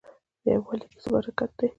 یووالي کې څه برکت دی؟